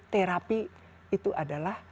terapi itu adalah